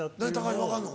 橋分かんの？